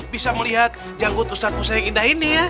bisa melihat janggut ustaz pusat yang indah ini ya